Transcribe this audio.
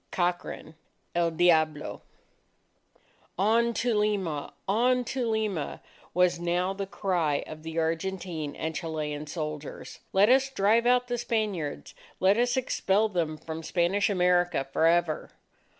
COCHRANE, EL DIABLO "On to Lima! On to Lima!" was now the cry of the Argentine and Chilean soldiers. "Let us drive out the Spaniards! Let us expel them from Spanish America for ever!"